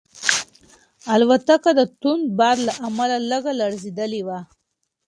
الوتکه د توند باد له امله لږه لړزېدلې وه.